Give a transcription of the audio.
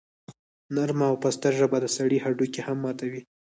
نرمه او پسته ژبه د سړي هډوکي هم ماتوي.